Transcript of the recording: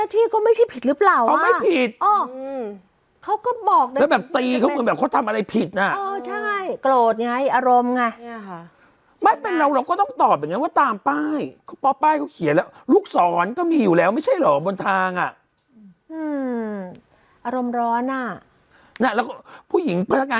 แต่เจ้าหน้าที่ก็ไม่ใช่ผิดหรือเปล่า